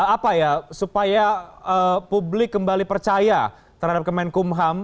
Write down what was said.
apa ya supaya publik kembali percaya terhadap kemenkumham